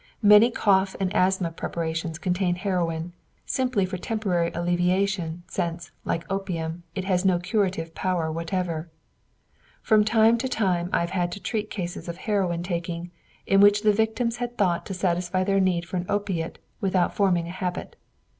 Many cough and asthma preparations contain heroin, simply for temporary alleviation, since, like opium, it has no curative power whatever. From time to time I have had to treat cases of heroin taking in which the victims had thought to satisfy their need for an opiate without forming a habit.